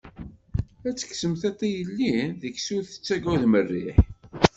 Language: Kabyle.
Ad tekksem tiṭ i yelli, deg-s ur d-tettaǧǧam rriḥ.